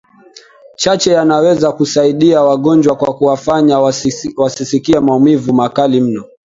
chache yanaweza kusaidia wagonjwa kwa kuwafanya wasisikie maumivu makali mno